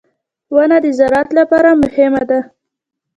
• ونه د زراعت لپاره مهمه ده.